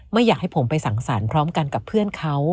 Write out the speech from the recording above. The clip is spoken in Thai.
ไม่อยากให้ผมไปสั่งสรรค์พร้อมกันกับเพื่อนเขา